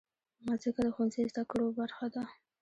مځکه د ښوونځي زدهکړو برخه ده.